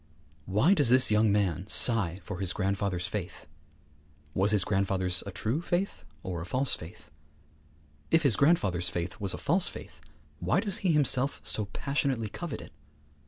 Why does this young man sigh for his grandfather's faith? Was his grandfather's a true faith or a false faith? If his grandfather's faith was a false faith, why does he himself so passionately covet it?